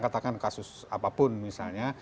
katakan kasus apapun misalnya